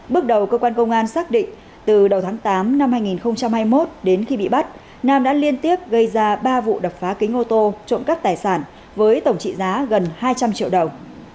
bước đầu cơ quan công an xác định từ đầu tháng tám năm hai nghìn hai mươi một đến khi bị bắt nam đã liên tiếp gây ra ba vụ đập phá kính ô tô trộm cắp tài sản với tổng trị giá gần hai trăm linh triệu đồng